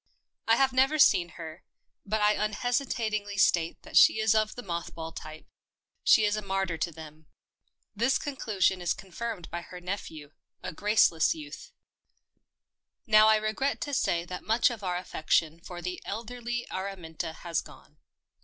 I have never seen her, but I unhesitatingly state that she is of the moth ball type — she is a martyr to them. This conclusion is con firmed by her nephew — a graceless youth. Now I regret to say that much of our affec tion for the elderly Araminta has gone.